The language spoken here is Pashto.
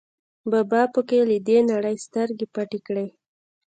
بابا په کې له دې نړۍ سترګې پټې کړې.